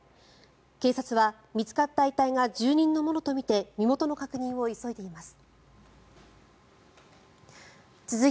警察は見つかった遺体が住人のものとみて身元の確認を急いでいます。